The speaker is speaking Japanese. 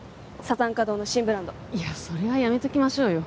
山茶花堂の新ブランドいやそれはやめときましょうよ